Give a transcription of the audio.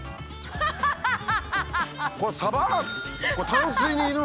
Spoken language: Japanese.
ハハハハ！